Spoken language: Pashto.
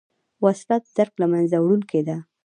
وسله د درک له منځه وړونکې ده